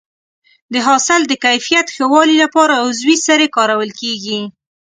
د حاصل د کیفیت ښه والي لپاره عضوي سرې کارول کېږي.